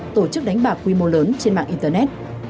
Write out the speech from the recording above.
tổ chức đánh bạc quy mô lớn trên mạng internet